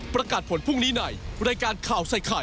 ประกาศผลพรุ่งนี้ในรายการข่าวใส่ไข่